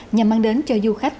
nhằm mang đến cho du khách